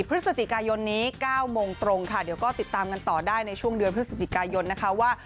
พฤศจิกายนนี้๙โมงตรงค่ะเดี๋ยวก็ติดตามกันต่อได้ในช่วงเดือนพฤศจิกายนนะคะว่า